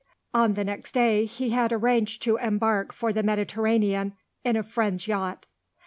On the next day he had arranged to embark for the Mediterranean in a friend's yacht.